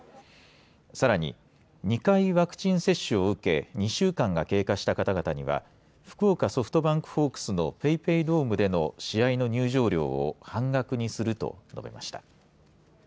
さらに、２回ワクチン接種を受け２週間が経過した方々には福岡ソフトバンクホークスのＰａｙＰａｙドームでの試合の入場料を半額にすると述べました。